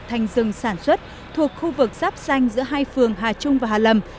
thành rừng sản xuất thuộc khu vực giáp xanh giữa hai phường hà trung và hà lầm